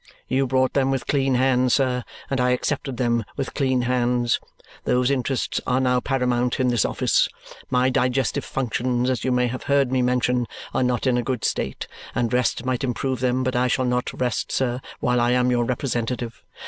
You brought them with clean hands, sir, and I accepted them with clean hands. Those interests are now paramount in this office. My digestive functions, as you may have heard me mention, are not in a good state, and rest might improve them; but I shall not rest, sir, while I am your representative.